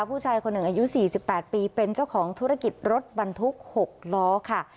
ผู้ชายคนหนึ่งอายุ๔๘ปีเป็นเจ้าของธุรกิจรถบรรทุก๖ล้อค่ะ